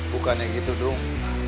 bukannya gitu dung